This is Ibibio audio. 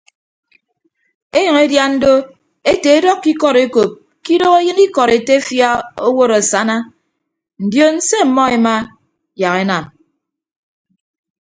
Enyʌñ edian do ete edọkkọ ikọd ekop ke idooho eyịn ikọd etefia owod asana ndion se ọmmọ ema yak enam.